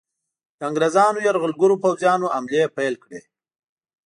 د انګریزانو یرغلګرو پوځیانو حملې پیل کړې.